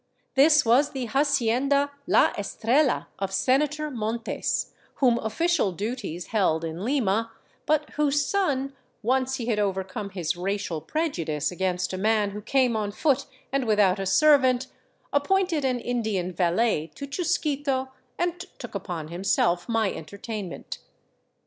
This was the hacienda " La Estrella " of Senator Montes, whom offi cial duties held in Lima, but whose son, once he had overcome his racial prejudice against a man who came on foot and without a serv ant, appointed an Indian valet to Chusquito and took upon himself my entertainment.